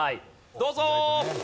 どうぞ！